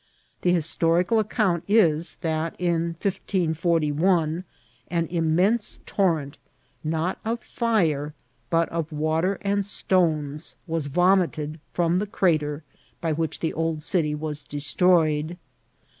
The historical account is, that in 1541 an immense torrent, not of fire, but of water and stones, was vomited from the crater, by which the old city was destroyed.